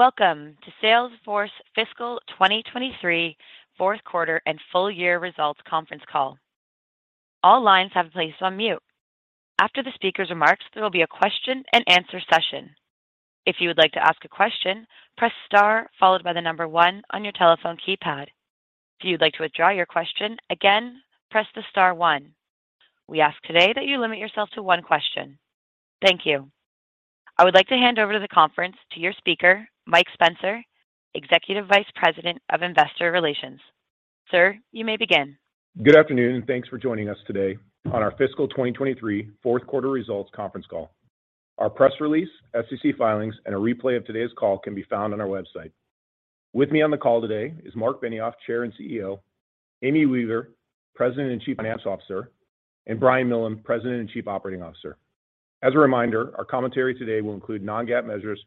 Welcome to Salesforce Fiscal 2023 fourth quarter and full-year results conference call. All lines have been placed on mute. After the speaker's remarks, there will be a question and answer session. If you would like to ask a question, press star followed by the number one on your telephone keypad. If you'd like to withdraw your question, again, press the star one. We ask today that you limit yourself to one question. Thank you. I would like to hand over the conference to your speaker, Mike Spencer, Executive Vice President of Investor Relations. Sir, you may begin. Good afternoon, and thanks for joining us today on our fiscal 2023 fourth quarter results conference call. Our press release, SEC filings, and a replay of today's call can be found on our website. With me on the call today is Marc Benioff, Chair and CEO, Amy Weaver, President and Chief Finance Officer, and Brian Millham, President and Chief Operating Officer. As a reminder, our commentary today will include non-GAAP measures.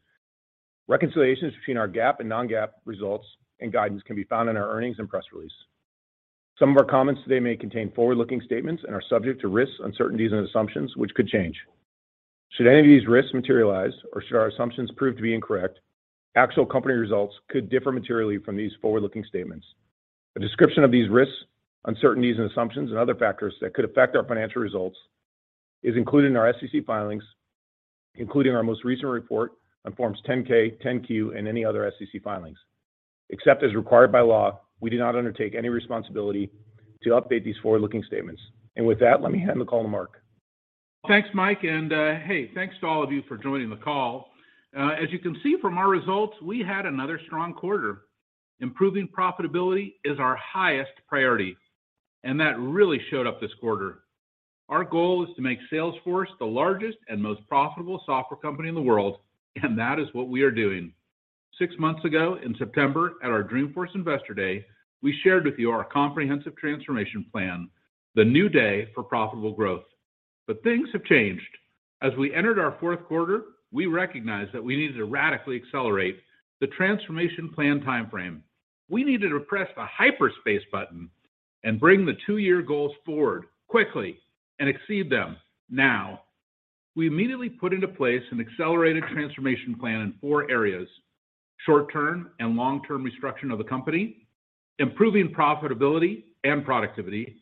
Reconciliations between our GAAP and non-GAAP results and guidance can be found in our earnings and press release. Some of our comments today may contain forward-looking statements and are subject to risks, uncertainties, and assumptions which could change. Should any of these risks materialize or should our assumptions prove to be incorrect, actual company results could differ materially from these forward-looking statements. A description of these risks, uncertainties, and assumptions and other factors that could affect our financial results is included in our SEC filings, including our most recent report on forms 10-K, 10-Q, and any other SEC filings. Except as required by law, we do not undertake any responsibility to update these forward-looking statements. With that, let me hand the call to Marc. Thanks, Mike, hey, thanks to all of you for joining the call. As you can see from our results, we had another strong quarter. Improving profitability is our highest priority, and that really showed up this quarter. Our goal is to make Salesforce the largest and most profitable software company in the world, and that is what we are doing. Six months ago in September at our Dreamforce Investor Day, we shared with you our comprehensive transformation plan, the new day for profitable growth. Things have changed. As we entered our fourth quarter, we recognized that we needed to radically accelerate the transformation plan timeframe. We needed to press the hyperspace button and bring the two year goals forward quickly and exceed them now. We immediately put into place an accelerated transformation plan in four areas: short-term and long-term restructuring of the company, improving profitability and productivity,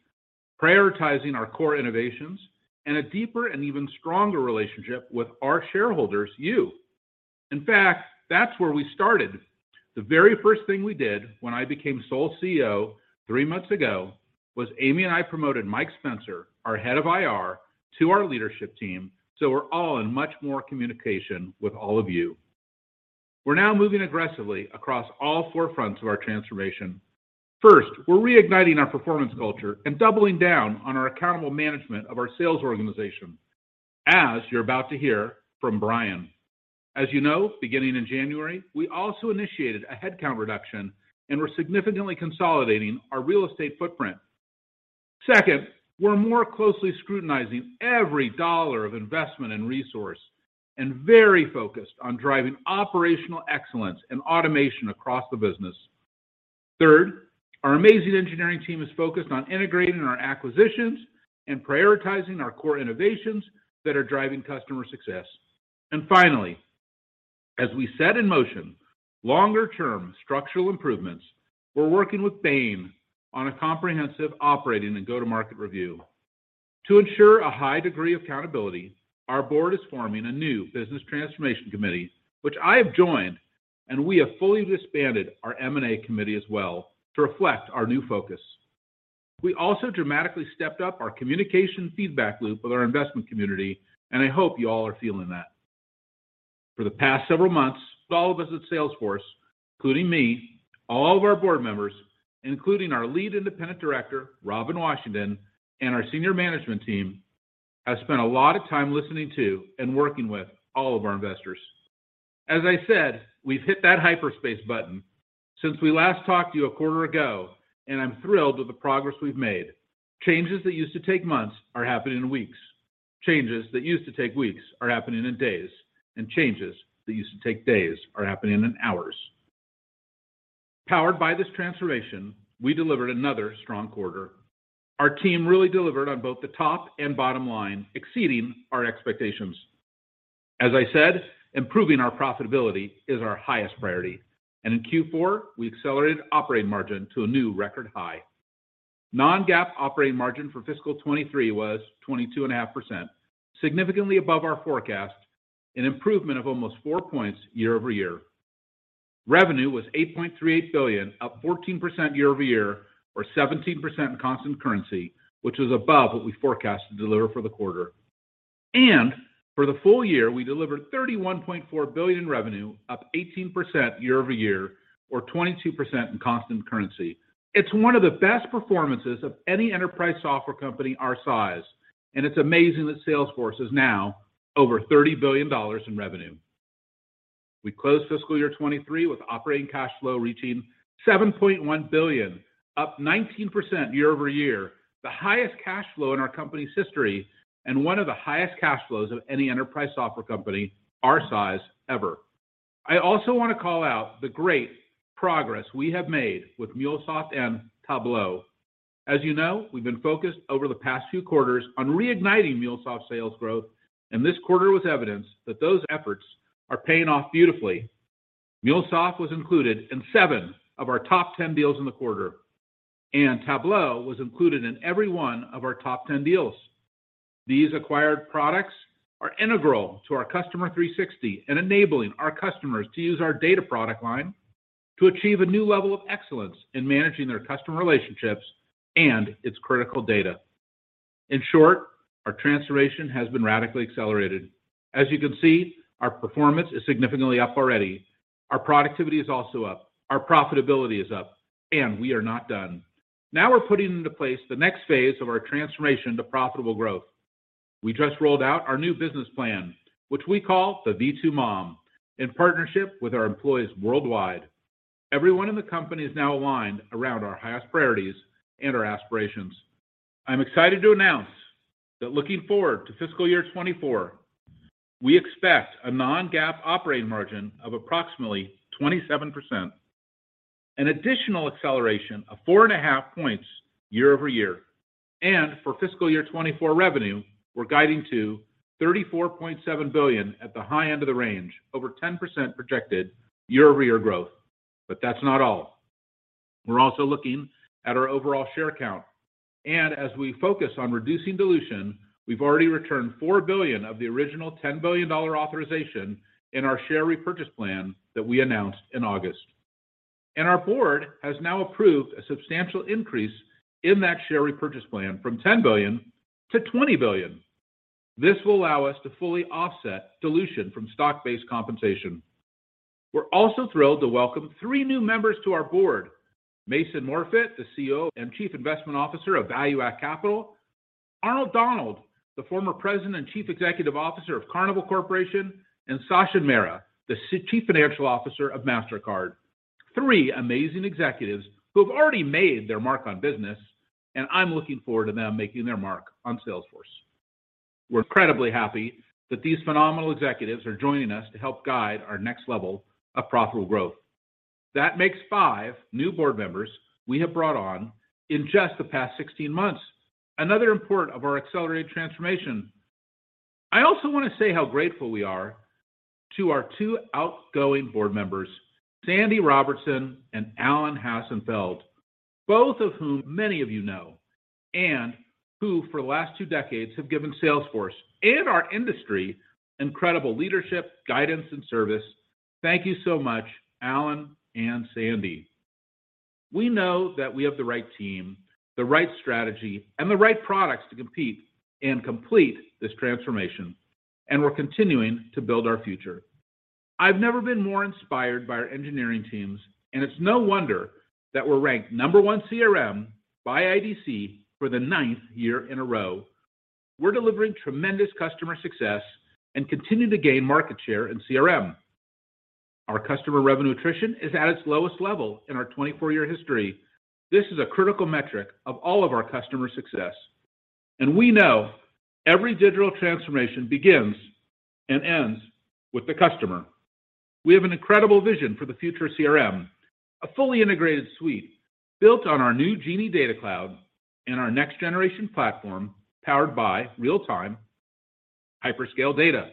prioritizing our core innovations, and a deeper and even stronger relationship with our shareholders, you. In fact, that's where we started. The very first thing we did when I became sole CEO three months ago was Amy and I promoted Mike Spencer, our head of IR, to our leadership team, so we're all in much more communication with all of you. We're now moving aggressively across all forefronts of our transformation. First, we're reigniting our performance culture and doubling down on our accountable management of our sales organization, as you're about to hear from Brian. As you know, beginning in January, we also initiated a headcount reduction, and we're significantly consolidating our real estate footprint. Second, we're more closely scrutinizing every dollar of investment and resource and very focused on driving operational excellence and automation across the business. Third, our amazing engineering team is focused on integrating our acquisitions and prioritizing our core innovations that are driving customer success. Finally, as we set in motion longer-term structural improvements, we're working with Bain on a comprehensive operating and go-to-market review. To ensure a high degree of accountability, our board is forming a new business transformation committee, which I have joined, and we have fully disbanded our M&A committee as well to reflect our new focus. Also, dramatically stepped up our communication feedback loop with our investment community, and I hope you all are feeling that. For the past several months, all of us at Salesforce, including me, all of our board members, including our lead independent director, Robin Washington, and our senior management team, have spent a lot of time listening to and working with all of our investors. As I said, we've hit that hyperspace button since we last talked to you a quarter ago, and I'm thrilled with the progress we've made. Changes that used to take months are happening in weeks. Changes that used to take weeks are happening in days, and changes that used to take days are happening in hours. Powered by this transformation, we delivered another strong quarter. Our team really delivered on both the top and bottom line, exceeding our expectations. As I said, improving our profitability is our highest priority, and in Q4, we accelerated operating margin to a new record high. Non-GAAP operating margin for fiscal 2023 was 22.5%, significantly above our forecast, an improvement of almost 4 points year-over-year. Revenue was $8.38 billion, up 14% year-over-year or 17% in constant currency, which is above what we forecasted to deliver for the quarter. For the full-year, we delivered $31.4 billion revenue, up 18% year-over-year or 22% in constant currency. It's one of the best performances of any enterprise software company our size, and it's amazing that Salesforce is now over $30 billion in revenue. We closed fiscal year 2023 with operating cash flow reaching $7.1 billion, up 19% year-over-year, the highest cash flow in our company's history and one of the highest cash flows of any enterprise software company our size ever. I also want to call out the great progress we have made with MuleSoft and Tableau. As you know, we've been focused over the past few quarters on reigniting MuleSoft sales growth, and this quarter was evidence that those efforts are paying off beautifully. MuleSoft was included in seven of our top 10 deals in the quarter. Tableau was included in every one of our top 10 deals. These acquired products are integral to our Customer 360 and enabling our customers to use our data product line to achieve a new level of excellence in managing their customer relationships and its critical data. In short, our transformation has been radically accelerated. As you can see, our performance is significantly up already. Our productivity is also up, our profitability is up. We are not done. Now, we're putting into place the next phase of our transformation to profitable growth. We just rolled out our new business plan, which we call the V2MOM, in partnership with our employees worldwide. Everyone in the company is now aligned around our highest priorities and our aspirations. I'm excited to announce that looking forward to fiscal year 2024, we expect a non-GAAP operating margin of approximately 27%, an additional acceleration of 4.5 points year-over-year. For fiscal year 2024 revenue, we're guiding to $34.7 billion at the high end of the range, over 10% projected year-over-year growth. That's not all. We're also looking at our overall share count. As we focus on reducing dilution, we've already returned $4 billion of the original $10 billion authorization in our share repurchase plan that we announced in August. Our board has now approved a substantial increase in that share repurchase plan from $10 billion to $20 billion. This will allow us to fully offset dilution from stock-based compensation. We're also thrilled to welcome three new members to our board. Mason Morfit, the CEO and Chief Investment Officer of ValueAct Capital, Arnold Donald, the former President and Chief Executive Officer of Carnival Corporation, and Sachin Mehra, the Chief Financial Officer of Mastercard. Three amazing executives who have already made their mark on business, and I'm looking forward to them making their mark on Salesforce. We're incredibly happy that these phenomenal executives are joining us to help guide our next level of profitable growth. That makes five new board members we have brought on in just the past 16 months, another import of our accelerated transformation. I also want to say how grateful we are to our two outgoing board members, Sandy Robertson and Alan Hassenfeld, both of whom many of you know. Who for the last two decades have given Salesforce and our industry incredible leadership, guidance, and service. Thank you so much, Alan and Sandy. We know that we have the right team, the right strategy, and the right products to compete and complete this transformation. We're continuing to build our future. I've never been more inspired by our engineering teams. It's no wonder that we're ranked number one CRM by IDC for the 9th year in a row. We're delivering tremendous customer success. Continue to gain market share in CRM. Our customer revenue attrition is at its lowest level in our 24 year history. This is a critical metric of all of our customer success. We know every digital transformation begins and ends with the customer. We have an incredible vision for the future CRM, a fully integrated suite built on our new Genie Data Cloud and our next generation platform powered by real-time hyperscale data,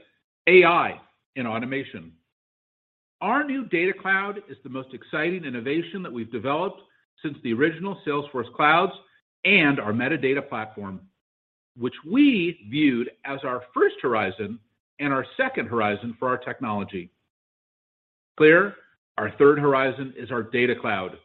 AI, and automation. Our new Data Cloud is the most exciting innovation that we've developed since the original Salesforce clouds and our metadata platform, which we viewed as our first horizon and our second horizon for our technology. Clear, our third horizon is our Data Cloud.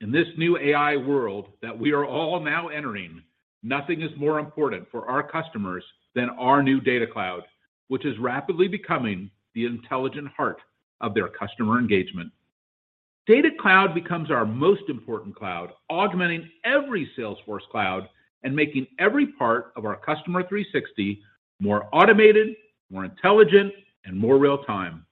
In this new AI world that we are all now entering, nothing is more important for our customers than our new Data Cloud, which is rapidly becoming the intelligent heart of their customer engagement. Data Cloud becomes our most important cloud, augmenting every Salesforce cloud and making every part of our Customer 360 more automated, more intelligent, and more real-time.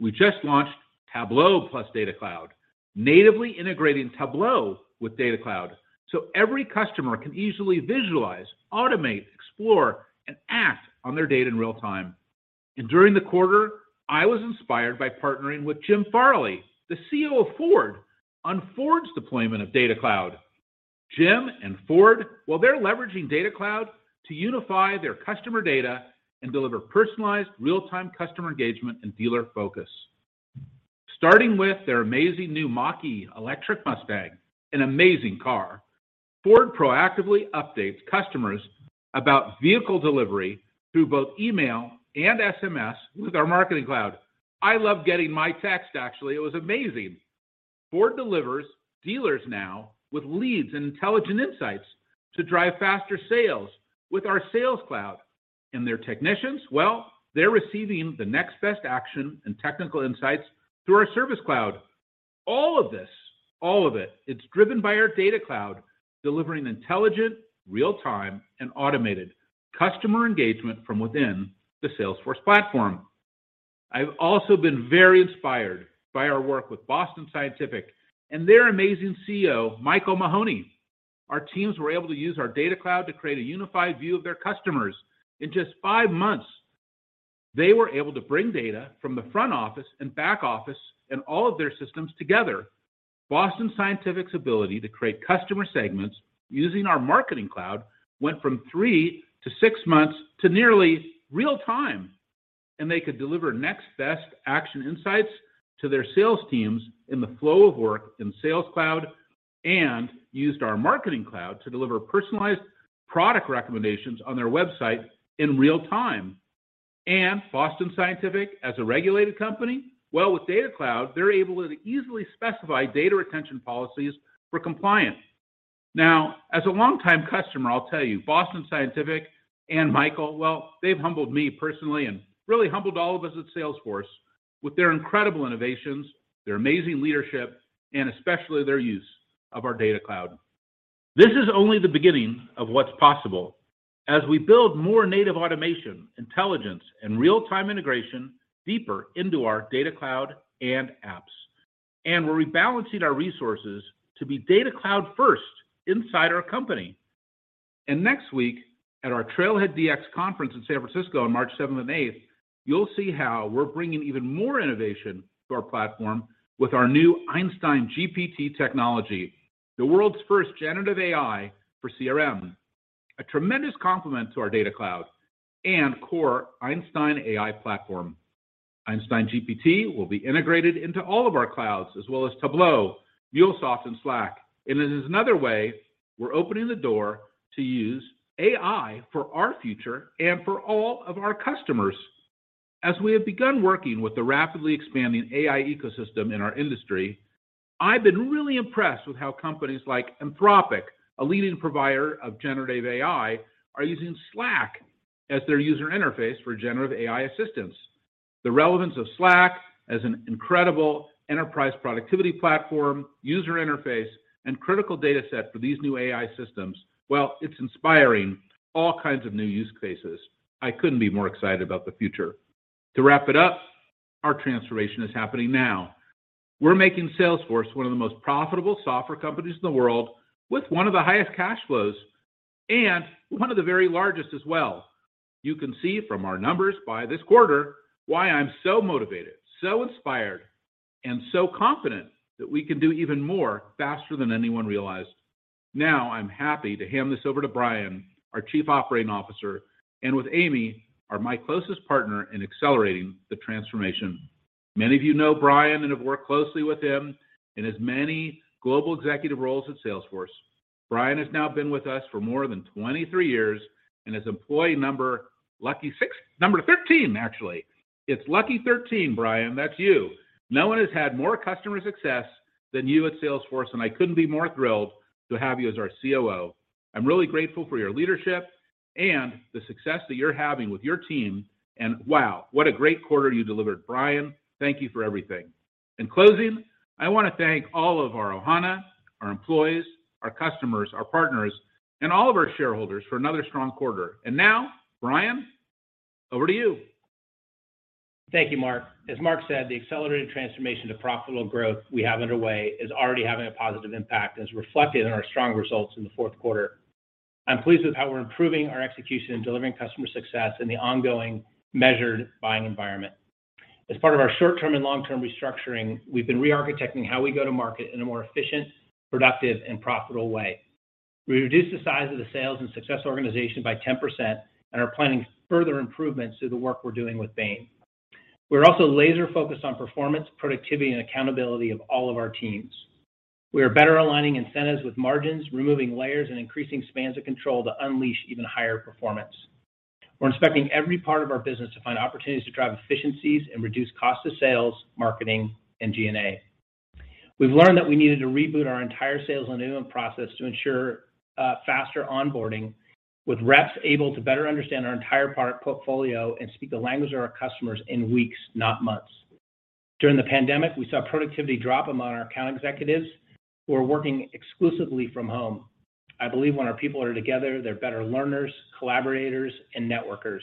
We just launched Tableau Plus Data Cloud, natively integrating Tableau with Data Cloud so every customer can easily visualize, automate, explore, and act on their data in real time. During the quarter, I was inspired by partnering with Jim Farley, CEO of Ford, on Ford's deployment of Data Cloud. Jim and Ford, well they're leveraging Data Cloud to unify their customer data and deliver personalized real-time customer engagement and dealer focus. Starting with their amazing new Mach-E electric Mustang, an amazing car, Ford proactively updates customers about vehicle delivery through both email and SMS with our Marketing Cloud. I love getting my text, actually. It was amazing. Ford delivers dealers now with leads and intelligent insights to drive faster sales with our Sales Cloud. Their technicians, well, they're receiving the next best action and technical insights through our Service Cloud. All of this, all of it's driven by our Data Cloud, delivering intelligent, real-time, and automated customer engagement from within the Salesforce platform. I've also been very inspired by our work with Boston Scientific and their amazing CEO, Mike Mahoney. Our teams were able to use our Data Cloud to create a unified view of their customers in just five months. They were able to bring data from the front office and back office and all of their systems together. Boston Scientific's ability to create customer segments using our Marketing Cloud went from three to six months to nearly real time. They could deliver next best action insights to their sales teams in the flow of work in Sales Cloud and used our Marketing Cloud to deliver personalized product recommendations on their website in real time. Boston Scientific as a regulated company, well, with Data Cloud, they're able to easily specify data retention policies for compliance. Now, as a longtime customer, I'll tell you, Boston Scientific and Michael, well, they've humbled me personally and really humbled all of us at Salesforce with their incredible innovations, their amazing leadership, and especially their use of our Data Cloud. This is only the beginning of what's possible as we build more native automation, intelligence, and real-time integration deeper into our Data Cloud and apps. We're rebalancing our resources to be Data Cloud first inside our company. Next week at our TrailblazerDX conference in San Francisco on March 7th and 8th, you'll see how we're bringing even more innovation to our platform with our new Einstein GPT technology, the world's first generative AI for CRM, a tremendous complement to our Data Cloud and core Einstein AI platform. Einstein GPT will be integrated into all of our clouds, as well as Tableau, MuleSoft, and Slack. It is another way we're opening the door to use AI for our future and for all of our customers. As we have begun working with the rapidly expanding AI ecosystem in our industry, I've been really impressed with how companies like Anthropic, a leading provider of generative AI, are using Slack as their user interface for generative AI assistance. The relevance of Slack as an incredible enterprise productivity platform, user interface, and critical data set for these new AI systems, well, it's inspiring all kinds of new use cases. I couldn't be more excited about the future. To wrap it up, our transformation is happening now. We're making Salesforce one of the most profitable software companies in the world with one of the highest cash flows and one of the very largest as well. You can see from our numbers by this quarter why I'm so motivated, so inspired, and so confident that we can do even more faster than anyone realized. Now I'm happy to hand this over to Brian, our Chief Operating Officer, and with Amy are my closest partner in accelerating the transformation. Many of you know Brian and have worked closely with him in his many global executive roles at Salesforce. Brian has now been with us for more than 23 years, and as employee number 13, actually. It's lucky 13, Brian. That's you. No one has had more customer success than you at Salesforce, and I couldn't be more thrilled to have you as our COO. I'm really grateful for your leadership and the success that you're having with your team. Wow, what a great quarter you delivered, Brian. Thank you for everything. In closing, I want to thank all of our ohana, our employees, our customers, our partners, and all of our shareholders for another strong quarter. Now, Brian, over to you. Thank you, Marc. As Marc said, the accelerated transformation to profitable growth we have underway is already having a positive impact, as reflected in our strong results in the fourth quarter. I'm pleased with how we're improving our execution and delivering customer success in the ongoing measured buying environment. As part of our short-term and long-term restructuring, we've been rearchitecting how we go to market in a more efficient, productive, and profitable way. We reduced the size of the sales and success organization by 10% and are planning further improvements through the work we're doing with Bain. We're also laser focused on performance, productivity, and accountability of all of our teams. We are better aligning incentives with margins, removing layers, and increasing spans of control to unleash even higher performance. We're inspecting every part of our business to find opportunities to drive efficiencies and reduce cost of sales, marketing, and G&A. We've learned that we needed to reboot our entire sales enablement process to ensure faster onboarding with reps able to better understand our entire product portfolio and speak the language of our customers in weeks, not months. During the pandemic, we saw productivity drop among our account executives who are working exclusively from home. I believe when our people are together, they're better learners, collaborators, and networkers.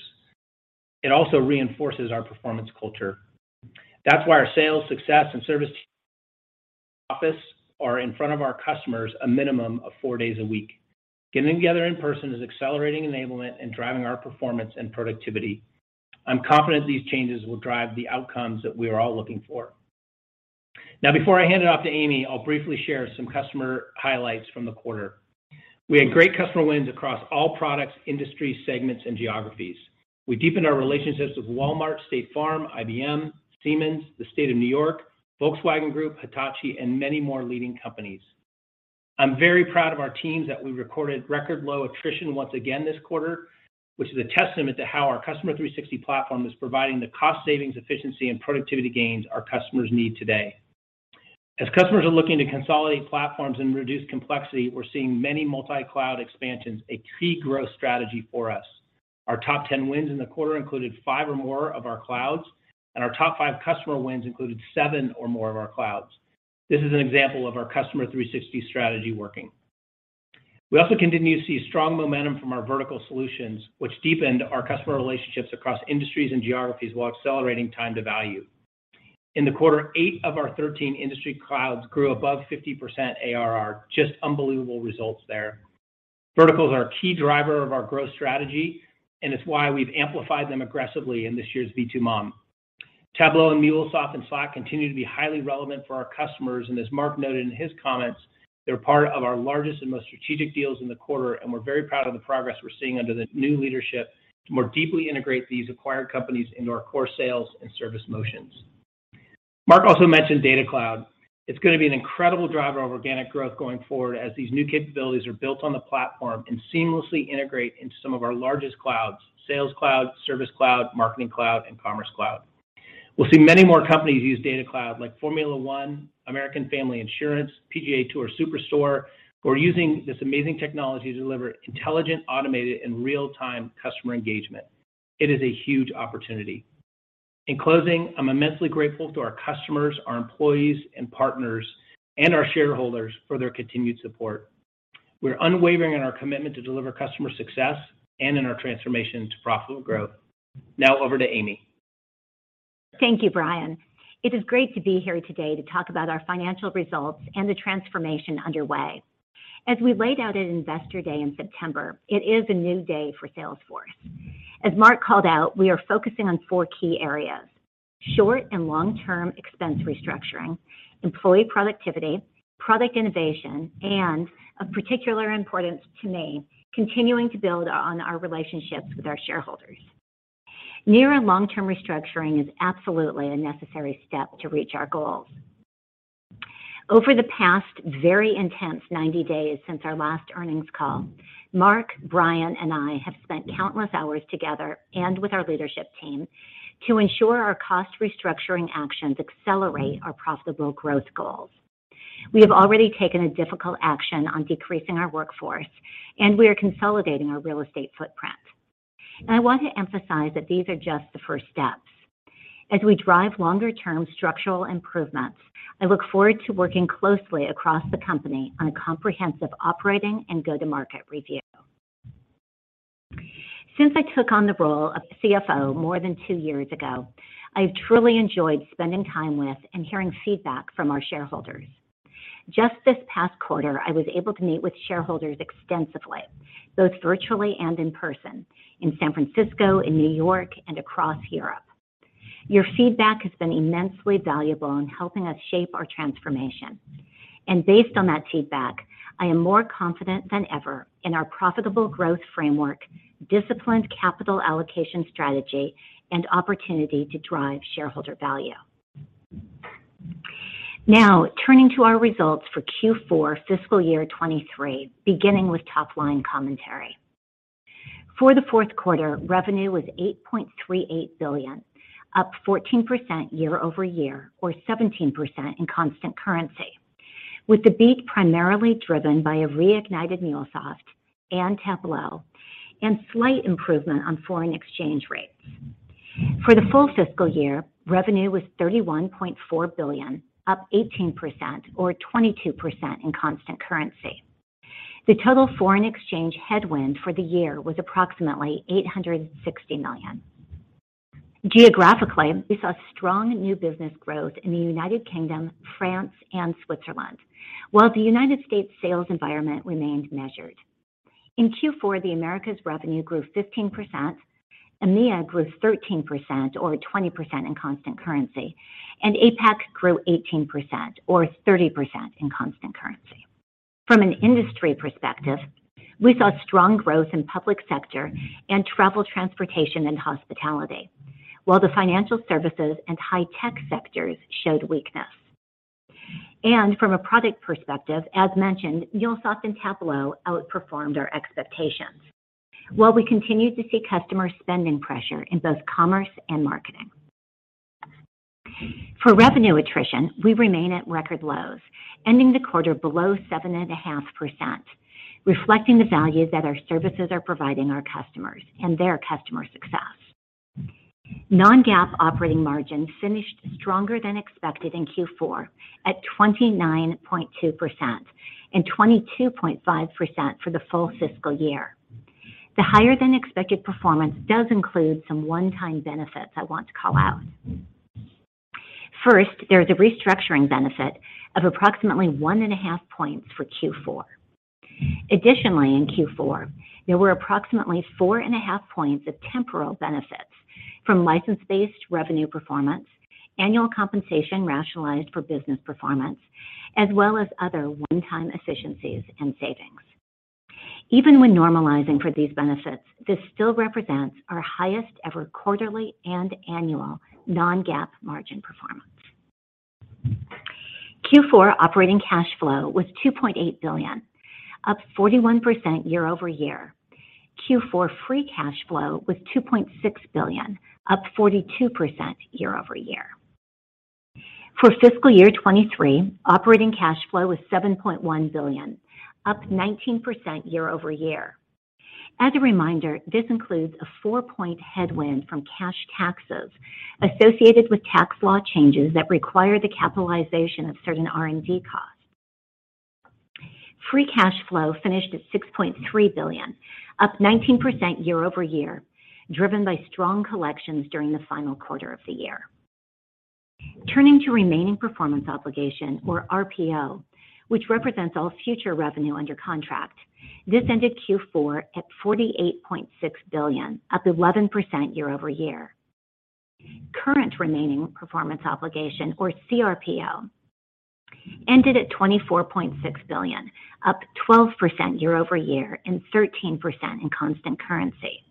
It also reinforces our performance culture. That's why our sales, success, and service teams office are in front of our customers a minimum of four days a week. Getting together in person is accelerating enablement and driving our performance and productivity. I'm confident these changes will drive the outcomes that we are all looking for. Now, before I hand it off to Amy, I'll briefly share some customer highlights from the quarter. We had great customer wins across all products, industries, segments, and geographies. We deepened our relationships with Walmart, State Farm, IBM, Siemens, the State of New York, Volkswagen Group, Hitachi, and many more leading companies. I'm very proud of our teams that we recorded record low attrition once again this quarter, which is a testament to how our Customer 360 platform is providing the cost savings, efficiency, and productivity gains our customers need today. As customers are looking to consolidate platforms and reduce complexity, we're seeing many multi-cloud expansions, a key growth strategy for us. Our top 10 wins in the quarter included five or more of our clouds, and our top five customer wins included seven or more of our clouds. This is an example of our Customer 360 strategy working. We also continue to see strong momentum from our vertical solutions, which deepened our customer relationships across industries and geographies while accelerating time to value. In the quarter, eight of our 13 industry clouds grew above 50% ARR. Just unbelievable results there. Verticals are a key driver of our growth strategy. It's why we've amplified them aggressively in this year's V2MOM. Tableau and MuleSoft and Slack continue to be highly relevant for our customers. As Marc noted in his comments, they're part of our largest and most strategic deals in the quarter. We're very proud of the progress we're seeing under the new leadership to more deeply integrate these acquired companies into our core sales and service motions. Marc also mentioned Data Cloud. It's going to be an incredible driver of organic growth going forward as these new capabilities are built on the platform and seamlessly integrate into some of our largest clouds: Sales Cloud, Service Cloud, Marketing Cloud, and Commerce Cloud. We'll see many more companies use Data Cloud like Formula 1, American Family Insurance, PGA TOUR Superstore, who are using this amazing technology to deliver intelligent, automated, and real-time customer engagement. It is a huge opportunity. In closing, I'm immensely grateful to our customers, our employees and partners, and our shareholders for their continued support. We're unwavering in our commitment to deliver customer success and in our transformation to profitable growth. Now over to Amy. Thank you, Brian. It is great to be here today to talk about our financial results and the transformation underway. As we laid out at Investor Day in September, it is a new day for Salesforce. As Marc called out, we are focusing on four key areas: short- and long-term expense restructuring, employee productivity, product innovation, and of particular importance to me, continuing to build on our relationships with our shareholders. Near- and long-term restructuring is absolutely a necessary step to reach our goals. Over the past very intense 90 days since our last earnings call, Marc, Brian, and I have spent countless hours together and with our leadership team to ensure our cost restructuring actions accelerate our profitable growth goals. We have already taken a difficult action on decreasing our workforce, and we are consolidating our real estate footprint. I want to emphasize that these are just the first steps. As we drive longer-term structural improvements, I look forward to working closely across the company on a comprehensive operating and go-to-market review. Since I took on the role of CFO more than two years ago, I've truly enjoyed spending time with and hearing feedback from our shareholders. Just this past quarter, I was able to meet with shareholders extensively, both virtually and in person, in San Francisco, in New York, and across Europe. Your feedback has been immensely valuable in helping us shape our transformation. Based on that feedback, I am more confident than ever in our profitable growth framework, disciplined capital allocation strategy, and opportunity to drive shareholder value. Now, turning to our results for Q4 fiscal year 2023, beginning with top-line commentary. For the fourth quarter, revenue was $8.38 billion, up 14% year-over-year or 17% in constant currency, with the beat primarily driven by a reignited MuleSoft and Tableau and slight improvement on foreign exchange rates. For the full fiscal year, revenue was $31.4 billion, up 18% or 22% in constant currency. The total foreign exchange headwind for the year was approximately $860 million. Geographically, we saw strong new business growth in the United Kingdom, France, and Switzerland, while the United States sales environment remained measured. In Q4, the Americas revenue grew 15%, EMEA grew 13% or 20% in constant currency, and APAC grew 18% or 30% in constant currency. From an industry perspective, we saw strong growth in public sector and travel, transportation, and hospitality, while the financial services and high-tech sectors showed weakness. From a product perspective, as mentioned, MuleSoft and Tableau outperformed our expectations, while we continued to see customer spending pressure in both Commerce and Marketing. For revenue attrition, we remain at record lows, ending the quarter below 7.5%, reflecting the value that our services are providing our customers and their customer success. non-GAAP operating margin finished stronger than expected in Q4 at 29.2% and 22.5% for the full fiscal year. The higher-than-expected performance does include some one-time benefits I want to call out. First, there is a restructuring benefit of approximately 1.5 points for Q4. Additionally, in Q4, there were approximately 4.5 points of temporal benefits from license-based revenue performance, annual compensation rationalized for business performance, as well as other one-time efficiencies and savings. Even when normalizing for these benefits, this still represents our highest ever quarterly and annual non-GAAP margin performance. Q4 operating cash flow was $2.8 billion, up 41% year-over-year. Q4 free cash flow was $2.6 billion, up 42% year-over-year. For fiscal year 2023, operating cash flow was $7.1 billion, up 19% year-over-year. A reminder, this includes a 4 point headwind from cash taxes associated with tax law changes that require the capitalization of certain R&D costs. Free cash flow finished at $6.3 billion, up 19% year-over-year, driven by strong collections during the final quarter of the year. Turning to remaining performance obligation, or RPO, which represents all future revenue under contract. This ended Q4 at $48.6 billion, up 11% year-over-year. Current remaining performance obligation, or CRPO, ended at $24.6 billion, up 12% year-over-year and 13% in constant currency.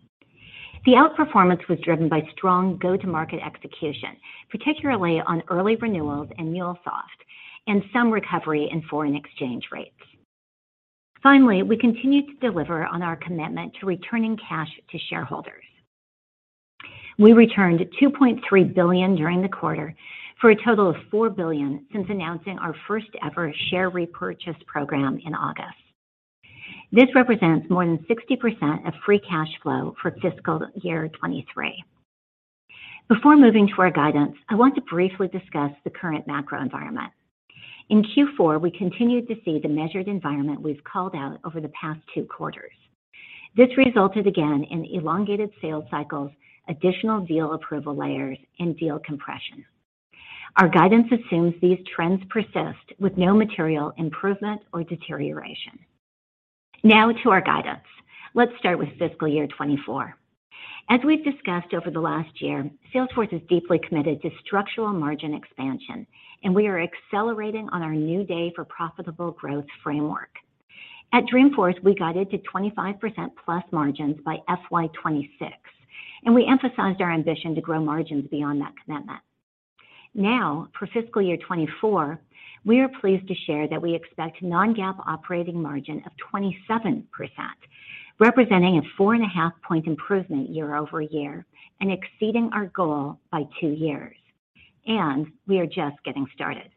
The outperformance was driven by strong go-to-market execution, particularly on early renewals in MuleSoft and some recovery in foreign exchange rates. We continued to deliver on our commitment to returning cash to shareholders. We returned $2.3 billion during the quarter for a total of $4 billion since announcing our first-ever share repurchase program in August. This represents more than 60% of free cash flow for fiscal year 2023. Before moving to our guidance, I want to briefly discuss the current macro environment. In Q4, we continued to see the measured environment we've called out over the past two quarters. This resulted again in elongated sales cycles, additional deal approval layers, and deal compression. Our guidance assumes these trends persist with no material improvement or deterioration. To our guidance. Let's start with fiscal year 2024. As we've discussed over the last year, Salesforce is deeply committed to structural margin expansion, and we are accelerating on our new day for profitable growth framework. At Dreamforce, we guided to 25%+ margins by FY 2026, and we emphasized our ambition to grow margins beyond that commitment. For fiscal year 2024, we are pleased to share that we expect non-GAAP operating margin of 27%, representing a 4.5 point improvement year-over-year and exceeding our goal by two years. We are just getting started.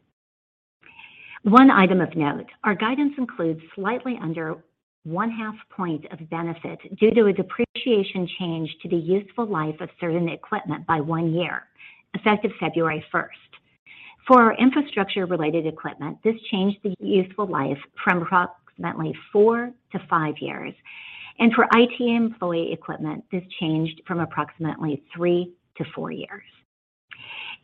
One item of note: our guidance includes slightly under 0.5 point of benefit due to a depreciation change to the useful life of certain equipment by 1 year, effective February first. For our infrastructure-related equipment, this changed the useful life from approximately four to five years. For IT employee equipment, this changed from approximately three to four years.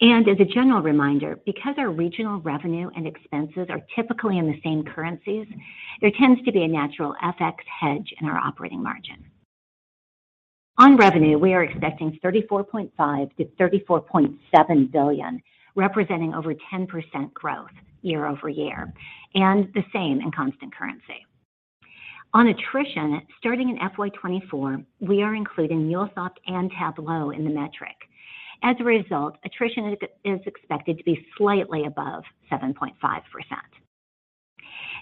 As a general reminder, because our regional revenue and expenses are typically in the same currencies, there tends to be a natural FX hedge in our operating margin. On revenue, we are expecting $34.5 billion-$34.7 billion, representing over 10% growth year-over-year, and the same in constant currency. On attrition, starting in FY 2024, we are including MuleSoft and Tableau in the metric. As a result, attrition is expected to be slightly above 7.5%.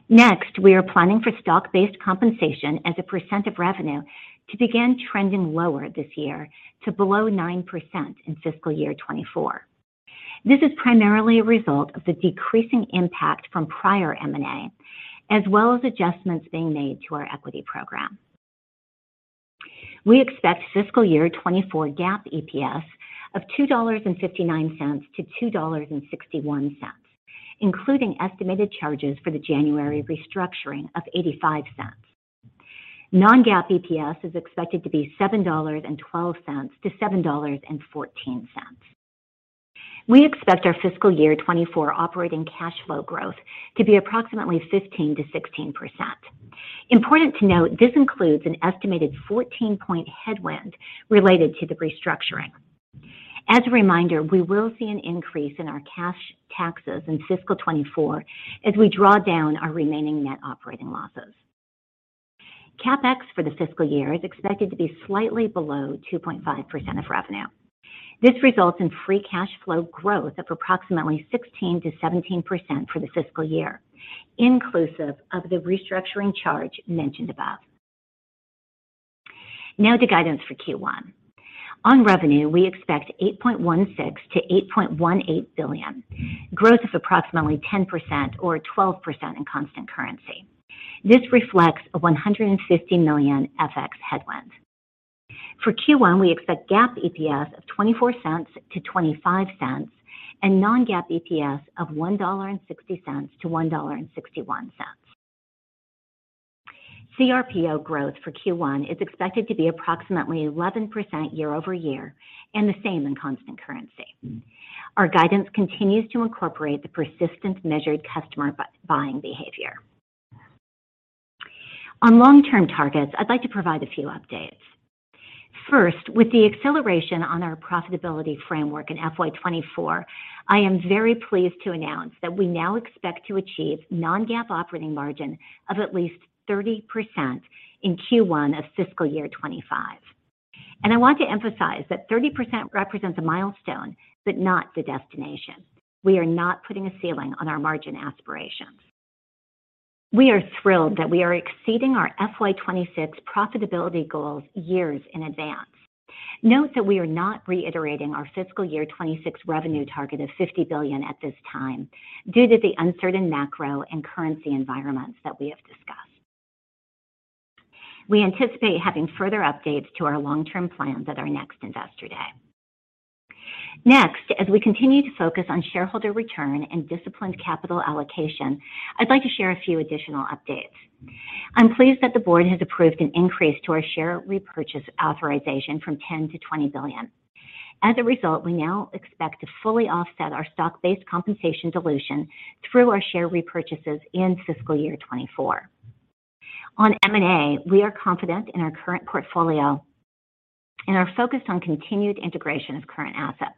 Next, we are planning for stock-based compensation as a percent of revenue to begin trending lower this year to below 9% in fiscal year 2024. This is primarily a result of the decreasing impact from prior M&A, as well as adjustments being made to our equity program. We expect fiscal year 2024 GAAP EPS of $2.59-$2.61, including estimated charges for the January restructuring of $0.85. non-GAAP EPS is expected to be $7.12-$7.14. We expect our fiscal year 2024 operating cash flow growth to be approximately 15%-16%. Important to note, this includes an estimated 14 point headwind related to the restructuring. As a reminder, we will see an increase in our cash taxes in fiscal 2024 as we draw down our remaining net operating losses. CapEx for the fiscal year is expected to be slightly below 2.5% of revenue. This results in free cash flow growth of approximately 16%-17% for the fiscal year, inclusive of the restructuring charge mentioned above. To guidance for Q1. On revenue, we expect $8.16 billion-$8.18 billion, growth of approximately 10% or 12% in constant currency. This reflects a $150 million FX headwind. For Q1, we expect GAAP EPS of $0.24-$0.25 and non-GAAP EPS of $1.60-$1.61. CRPO growth for Q1 is expected to be approximately 11% year-over-year and the same in constant currency. Our guidance continues to incorporate the persistent measured customer buying behavior. On long-term targets, I'd like to provide a few updates. First, with the acceleration on our profitability framework in FY 2024, I am very pleased to announce that we now expect to achieve non-GAAP operating margin of at least 30% in Q1 of fiscal year 2025. I want to emphasize that 30% represents a milestone, but not the destination. We are not putting a ceiling on our margin aspirations. We are thrilled that we are exceeding our FY 2026 profitability goals years in advance. Note that we are not reiterating our fiscal year 2026 revenue target of $50 billion at this time due to the uncertain macro and currency environments that we have discussed. We anticipate having further updates to our long-term plans at our next Investor Day. As we continue to focus on shareholder return and disciplined capital allocation, I'd like to share a few additional updates. I'm pleased that the board has approved an increase to our share repurchase authorization from $10 billion-$20 billion. As a result, we now expect to fully offset our stock-based compensation dilution through our share repurchases in fiscal year 2024. On M&A, we are confident in our current portfolio and are focused on continued integration of current assets.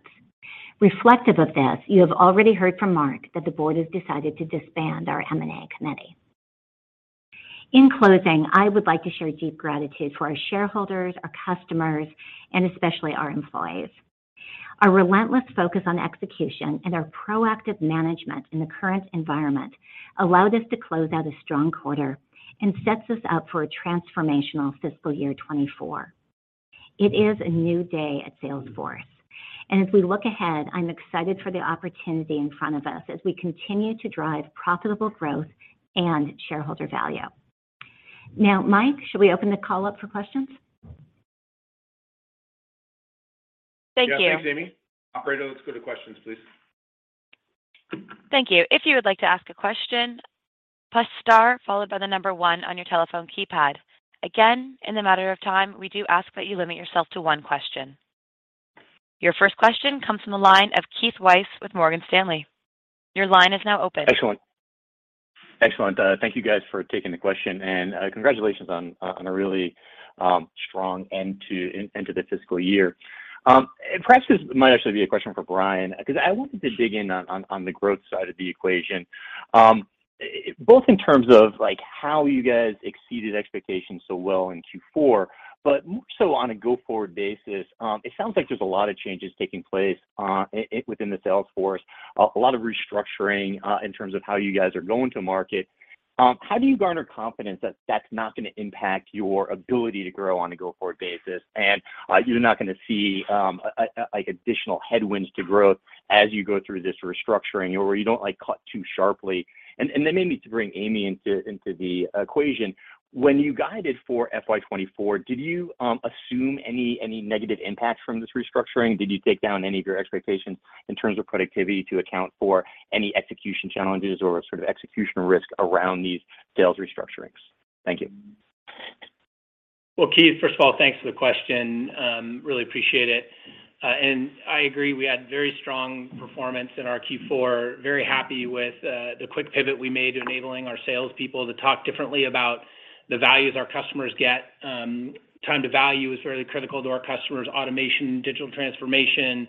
Reflective of this, you have already heard from Marc that the board has decided to disband our M&A committee. In closing, I would like to share deep gratitude for our shareholders, our customers, and especially our employees. Our relentless focus on execution and our proactive management in the current environment allowed us to close out a strong quarter and sets us up for a transformational fiscal year 2024. It is a new day at Salesforce. As we look ahead, I'm excited for the opportunity in front of us as we continue to drive profitable growth and shareholder value. Mike, should we open the call up for questions? Thank you. Yeah. Thanks, Amy. Operator, let's go to questions, please. Thank you. If you would like to ask a question, press star followed by one on your telephone keypad. Again, in the matter of time, we do ask that you limit yourself to one question. Your first question comes from the line of Keith Weiss with Morgan Stanley. Your line is now open. Excellent. Excellent. Thank you guys for taking the question. Congratulations on a really strong end to the fiscal year. Perhaps this might actually be a question for Brian, 'cause I wanted to dig in on the growth side of the equation, both in terms of, like, how you guys exceeded expectations so well in Q4, but more so on a go-forward basis. It sounds like there's a lot of changes taking place within the Salesforce, a lot of restructuring in terms of how you guys are going to market. How do you garner confidence that that's not gonna impact your ability to grow on a go-forward basis, and you're not gonna see, like additional headwinds to growth as you go through this restructuring, or you don't, like, cut too sharply? Then maybe to bring Amy into the equation. When you guided for FY 2024, did you assume any negative impacts from this restructuring? Did you take down any of your expectations in terms of productivity to account for any execution challenges or sort of execution risk around these sales restructurings? Thank you. Well, Keith, first of all, thanks for the question. Really appreciate it. I agree, we had very strong performance in our Q4. Very happy with the quick pivot we made enabling our salespeople to talk differently about the values our customers get. Time to value is really critical to our customers, automation, digital transformation,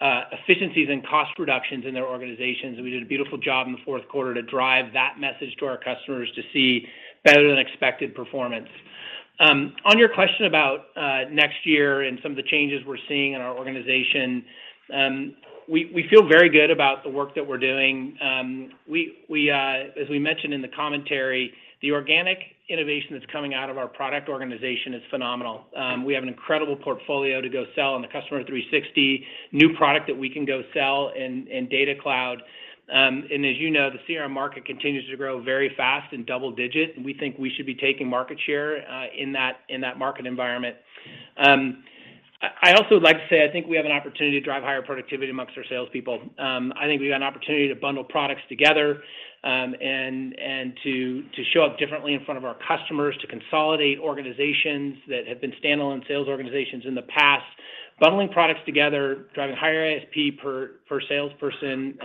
efficiencies and cost reductions in their organizations. We did a beautiful job in the fourth quarter to drive that message to our customers to see better than expected performance. On your question about next year and some of the changes we're seeing in our organization, we feel very good about the work that we're doing. We, we, as we mentioned in the commentary, the organic innovation that's coming out of our product organization is phenomenal. We have an incredible portfolio to go sell on the Customer 360, new product that we can go sell in Data Cloud. As you know, the CRM market continues to grow very fast in double digits, and we think we should be taking market share in that market environment. I also would like to say, I think we have an opportunity to drive higher productivity amongst our salespeople. I think we've got an opportunity to bundle products together, and to show up differently in front of our customers, to consolidate organizations that have been standalone sales organizations in the past. Bundling products together, driving higher ASP per salesperson,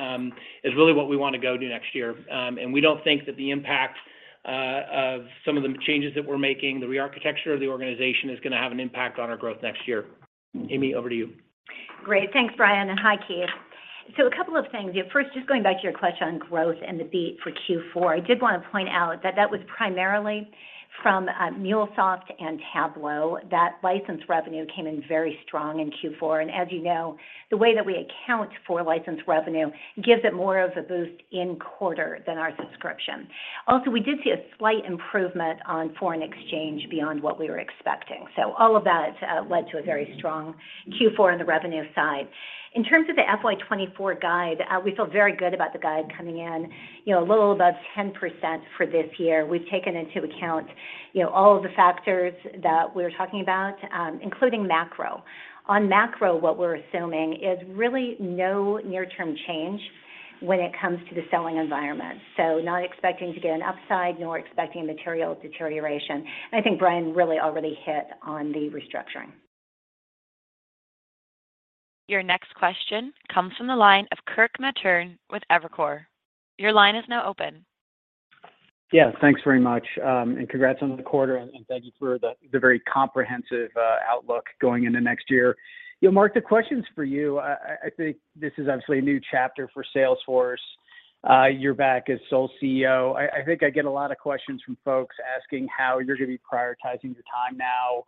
is really what we wanna go do next year. We don't think that the impact of some of the changes that we're making, the rearchitecture of the organization, is gonna have an impact on our growth next year. Amy, over to you. Great. Thanks, Brian, and hi, Keith. A couple of things. First, just going back to your question on growth and the beat for Q4, I did wanna point out that that was primarily from MuleSoft and Tableau. That license revenue came in very strong in Q4. As you know, the way that we account for license revenue gives it more of a boost in quarter than our subscription. Also, we did see a slight improvement on foreign exchange beyond what we were expecting. All of that led to a very strong Q4 on the revenue side. In terms of the FY 2024 guide, we feel very good about the guide coming in, you know, a little above 10% for this year. We've taken into account, you know, all of the factors that we're talking about, including macro. On macro, what we're assuming is really no near-term change when it comes to the selling environment. Not expecting to get an upside, nor expecting material deterioration. I think Brian really already hit on the restructuring. Your next question comes from the line of Kirk Materne with Evercore. Your line is now open. Yeah. Thanks very much. Congrats on the quarter, and thank you for the very comprehensive outlook going into next year. You know, Marc, the question's for you. I think this is obviously a new chapter for Salesforce. You're back as sole CEO. I think I get a lot of questions from folks asking how you're gonna be prioritizing your time now,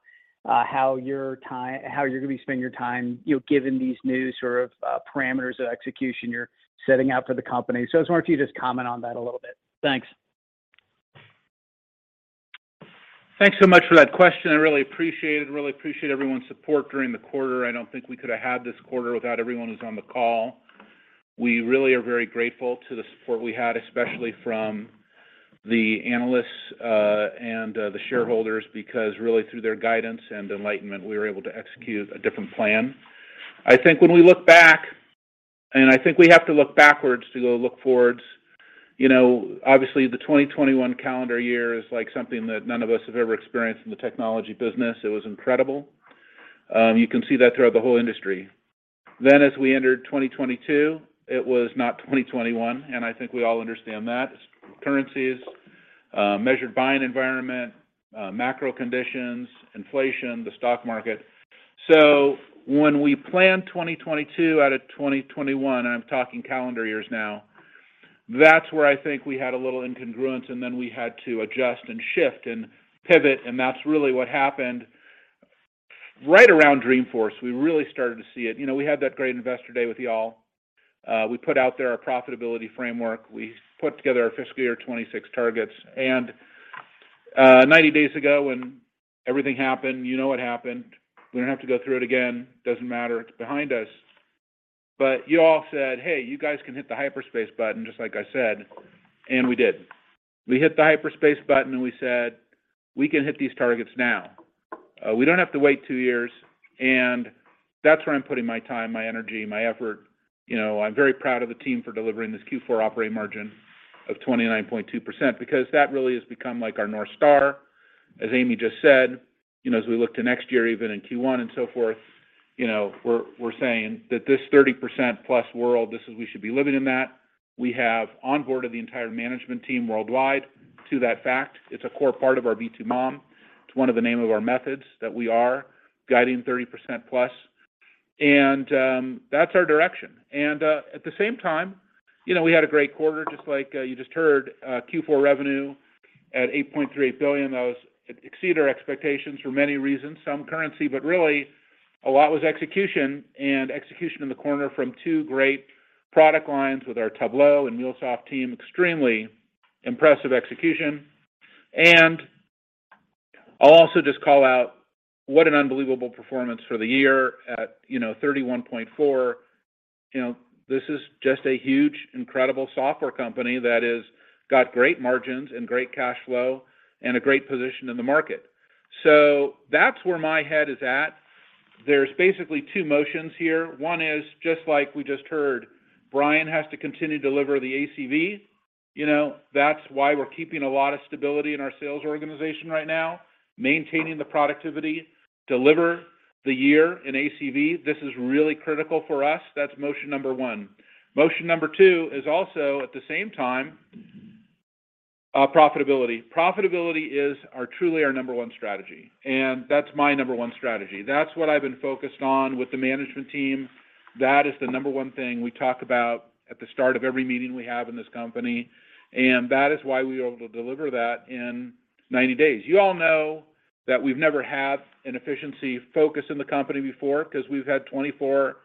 how you're gonna be spending your time, you know, given these new sort of parameters of execution you're setting out for the company. I just want you to just comment on that a little bit. Thanks. Thanks so much for that question. I really appreciate it. Really appreciate everyone's support during the quarter. I don't think we could have had this quarter without everyone who's on the call. We really are very grateful to the support we had, especially from the analysts, and the shareholders, because really through their guidance and enlightenment, we were able to execute a different plan. I think when we look back, and I think we have to look backwards to go look forwards, you know, obviously the 2021 calendar year is like something that none of us have ever experienced in the technology business. It was incredible. You can see that throughout the whole industry. As we entered 2022, it was not 2021, and I think we all understand that. It's currencies, measured buying environment, macro conditions, inflation, the stock market. When we planned 2022 out of 2021, I'm talking calendar years now, that's where I think we had a little incongruence, and then we had to adjust and shift and pivot, and that's really what happened. Right around Dreamforce, we really started to see it. You know, we had that great investor day with y'all. We put out there our profitability framework. We put together our fiscal year 26 targets. 90 days ago when everything happened, you know what happened. We don't have to go through it again. Doesn't matter. It's behind us. You all said, "Hey, you guys can hit the hyperspace button," just like I said, and we did. We hit the hyperspace button. We said, "We can hit these targets now." We don't have to wait two years. That's where I'm putting my time, my energy, my effort. You know, I'm very proud of the team for delivering this Q4 operating margin of 29.2% because that really has become like our North Star. As Amy just said, you know, as we look to next year, even in Q1 and so forth, you know, we're saying that this 30%+ world, this is we should be living in that. We have onboarded the entire management team worldwide to that fact. It's a core part of our V2MOM. It's one of the name of our methods that we are guiding 30%+. That's our direction. At the same time, you know, we had a great quarter, just like you just heard. Q4 revenue at $8.3 billion. That exceeded our expectations for many reasons, some currency, but really a lot was execution and execution in the corner from two great product lines with our Tableau and MuleSoft team. Extremely impressive execution. I'll also just call out what an unbelievable performance for the year at, you know, $31.4 billion. You know, this is just a huge, incredible software company that has got great margins and great cash flow and a great position in the market. That's where my head is at. There's basically two motions here. One is, just like we just heard, Brian has to continue to deliver the ACV. You know, that's why we're keeping a lot of stability in our sales organization right now, maintaining the productivity, deliver the year in ACV. This is really critical for us. That's motion number one. Motion number two is also, at the same time, profitability. Profitability is truly our number one strategy. That's my number one strategy. That's what I've been focused on with the management team. That is the number one thing we talk about at the start of every meeting we have in this company. That is why we were able to deliver that in 90 days. You all know that we've never had an efficiency focus in the company before because we've had 24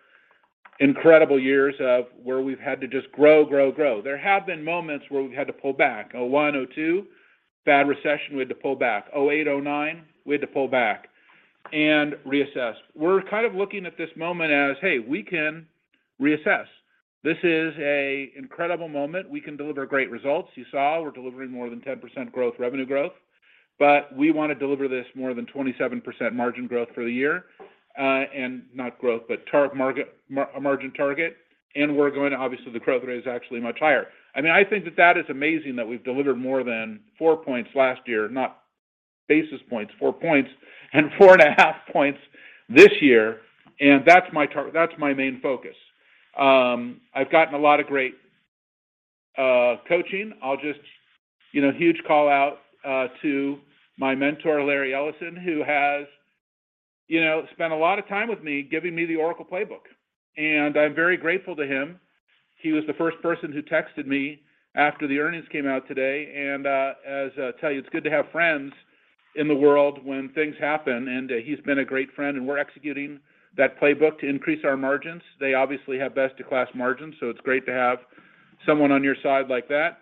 incredible years of where we've had to just grow, grow. There have been moments where we've had to pull back. 2001, 2002, bad recession, we had to pull back. 2008, 2009, we had to pull back and reassess. We're kind of looking at this moment as, hey, we can reassess. This is a incredible moment. We can deliver great results. You saw we're delivering more than 10% growth, revenue growth, but we want to deliver this more than 27% margin growth for the year, not growth, but margin target. We're going to, obviously, the growth rate is actually much higher. I mean, I think that that is amazing that we've delivered more than four points last year, not basis points, four points, and 4.5 points this year. That's my main focus. I've gotten a lot of great coaching. I'll just, you know, huge call-out, to my mentor, Larry Ellison, who has, you know, spent a lot of time with me giving me the Oracle playbook. I'm very grateful to him. He was the first person who texted me after the earnings came out today. As I tell you, it's good to have friends in the world when things happen, and he's been a great friend, and we're executing that playbook to increase our margins. They obviously have best-in-class margins, so it's great to have someone on your side like that.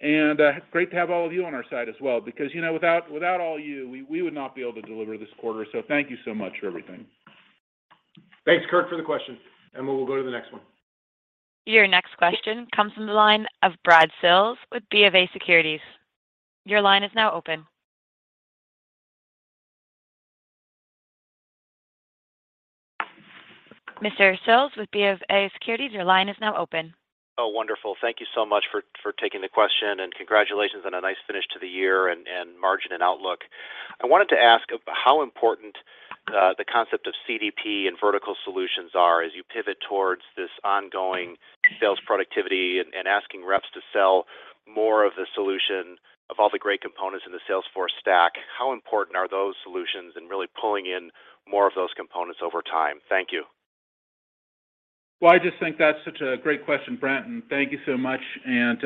Great to have all of you on our side as well because, you know, without all you, we would not be able to deliver this quarter. Thank you so much for everything. Thanks, Kirk, for the question. We will go to the next one. Your next question comes from the line of Brad Sills with BofA Securities. Your line is now open. Mr. Sills with BofA Securities, your line is now open. Oh, wonderful. Thank you so much for taking the question. Congratulations on a nice finish to the year and margin and outlook. I wanted to ask how important the concept of CDP and vertical solutions are as you pivot towards this ongoing sales productivity and asking reps to sell more of the solution of all the great components in the Salesforce stack. How important are those solutions in really pulling in more of those components over time? Thank you. Well, I just think that's such a great question, Brad, and thank you so much.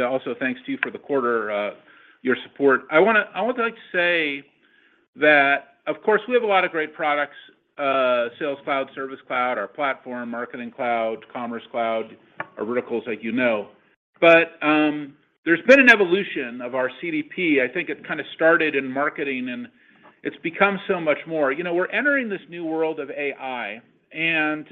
Also thanks to you for the quarter, your support. I would like to say that, of course, we have a lot of great products, Sales Cloud, Service Cloud, our platform, Marketing Cloud, Commerce Cloud, our verticals that you know. There's been an evolution of our CDP. I think it kind of started in marketing, and it's become so much more. You know, we're entering this new world of AI, and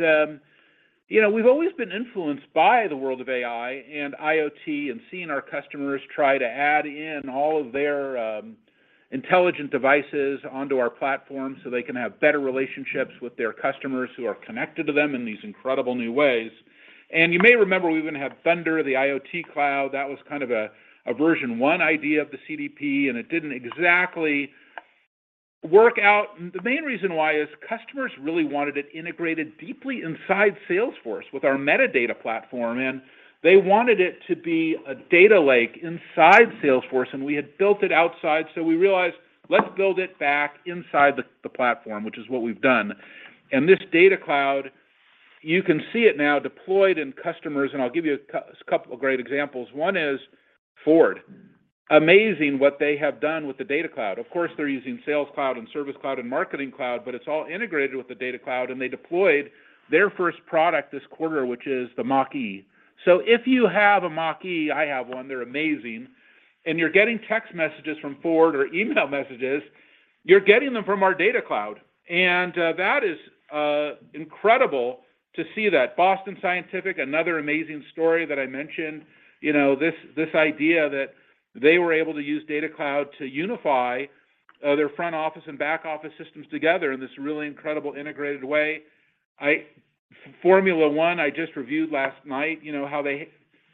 you know, we've always been influenced by the world of AI and IoT, and seeing our customers try to add in all of their intelligent devices onto our platform so they can have better relationships with their customers who are connected to them in these incredible new ways. You may remember we even had Thunder, the IoT cloud. That was kind of a version 1 idea of the CDP, and it didn't exactly work out. The main reason why is customers really wanted it integrated deeply inside Salesforce with our metadata platform, and they wanted it to be a data lake inside Salesforce, and we had built it outside. We realized, let's build it back inside the platform, which is what we've done. This Data Cloud, you can see it now deployed in customers, and I'll give you a couple of great examples. One is Ford. Amazing what they have done with the Data Cloud. Of course, they're using Sales Cloud and Service Cloud and Marketing Cloud, but it's all integrated with the Data Cloud, and they deployed their first product this quarter, which is the Mach-E. If you have a Mach-E, I have one, they're amazing, and you're getting text messages from Ford or email messages, you're getting them from our Data Cloud. That is incredible to see that. Boston Scientific, another amazing story that I mentioned. You know, this idea that they were able to use Data Cloud to unify their front office and back office systems together in this really incredible integrated way. Formula 1, I just reviewed last night, you know, how they.